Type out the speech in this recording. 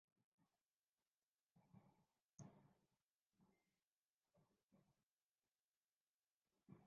যারা এই নাচের সঙ্গে অভ্যস্ত তারা বাদে এই নাচ করতে পারা খুব কঠিন।